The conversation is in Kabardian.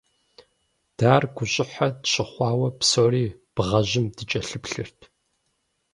Дэ ар гущӀыхьэ тщыхъуауэ, псори бгъэжьым дыкӀэлъыплъырт.